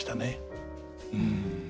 うん。